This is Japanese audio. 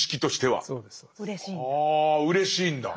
はあうれしいんだ。